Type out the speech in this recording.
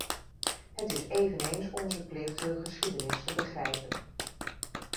Het is eveneens onze plicht hun geschiedenis te begrijpen.